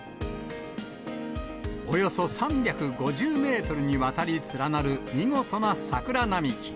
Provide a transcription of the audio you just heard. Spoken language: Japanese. およそ３５０メートルにわたり連なる見事な桜並木。